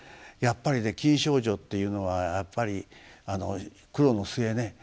やっぱりね錦祥女っていうのはやっぱり苦労の末ね